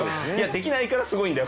できないからすごいんだよ